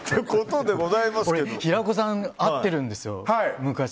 平子さん会ってるんですよ、昔。